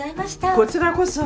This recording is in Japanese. こちらこそ。